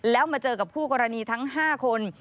แล้วมาเจอกับคู่กรณีทั้ง๕คน